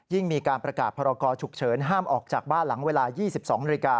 ยิ่งมีการประกาศพรากอฉุกเฉินห้ามออกจากบ้านหลังเวลา๒๒น